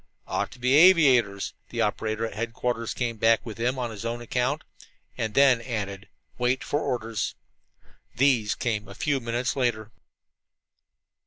"Ought to be aviators," the operator at headquarters came back at him on his own account, and then added: "Wait for orders." These came a few minutes later.